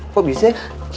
kok bisa ya